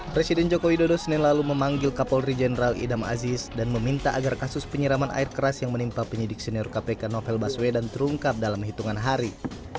presiden jokowi dodo senin lalu memanggil kapolri jenderal idam aziz dan meminta agar kasus penyiraman air keras yang menimpa penyidik senior kpk novel baswedan terungkap dalam hitungan hari